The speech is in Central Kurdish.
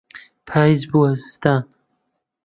پاییز بووە زستان.